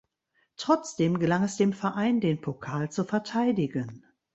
Trotzdem gelang es dem Verein, den Pokal zu verteidigen.